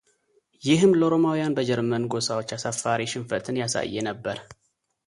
ይህም ለሮማውያን በጀርመን ጎሳዎች አሳፋሪ ሽንፈትን ያሳየ ነበር።